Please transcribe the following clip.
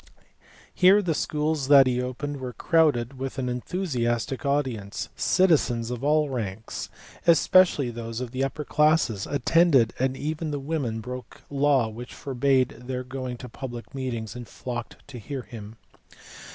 Here the schools that he opened were crowded with an enthusiastic audience; citizens of all ranks, especially those of the upper classes, attended, and even the women broke a law which forbade their going to public meetings and nocked to hear him.